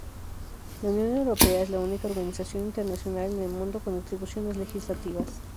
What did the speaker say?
La Unión Europea es la única organización internacional en el mundo con atribuciones legislativas.